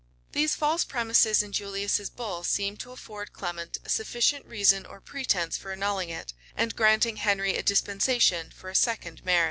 These false premises in Julius's bull seemed to afford Clement a sufficient reason or pretence for annulling it, and granting Henry a dispensation for a second marriage.